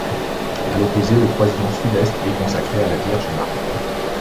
À l'opposé, le croisillon sud est consacré à la Vierge-Marie.